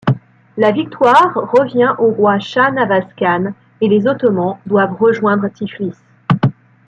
La victoire revient au roi Shah-Navaz Khan et les Ottomans doivent rejoindre Tiflis.